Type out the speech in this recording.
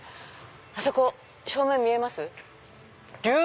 あそこ正面見えます？